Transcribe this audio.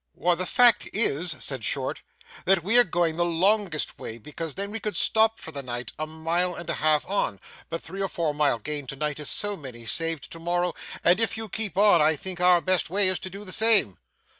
'Why, the fact is,' said Short, 'that we are going the longest way, because then we could stop for the night, a mile and a half on. But three or four mile gained to night is so many saved to morrow, and if you keep on, I think our best way is to do the same.